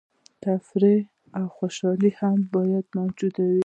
تفریح او خوشحالي هم باید موجوده وي.